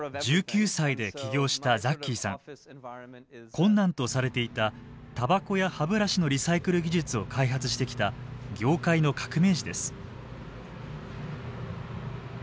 困難とされていたタバコや歯ブラシのリサイクル技術を開発してきた業界の革命児です。